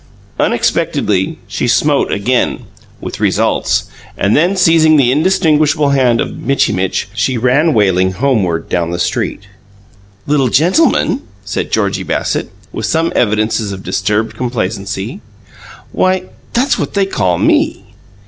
Unexpectedly, she smote again with results and then, seizing the indistinguishable hand of Mitchy Mitch, she ran wailing homeward down the street. "'Little gentleman'?" said Georgie Bassett, with some evidences of disturbed complacency. "Why, that's what they call ME!"